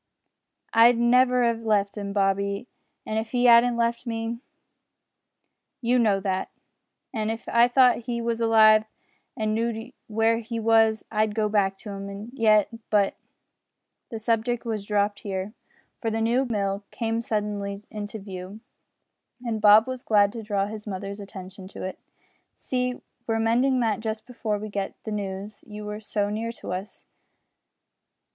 "I'd never 'ave left 'im, Bobby, if he 'adn't left me. You know that. An' if I thought he was alive and know'd w'ere he was, I'd go back to 'im yet, but " The subject was dropped here, for the new mill came suddenly into view, and Bob was glad to draw his mother's attention to it. "See, we were mending that just before we got the news you were so near us.